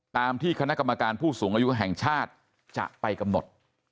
ตามที่คณะกรรมการผู้สูงอายุแห่งชาติจะไปกำหนด